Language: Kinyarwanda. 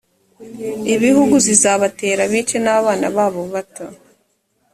ibihugu zizabatera bice n’abana babo bato